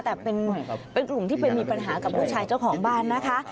แต่เป็นกลุ่มที่ไปมีปัญหากับลูกชายเจ้าของบ้านนะคะ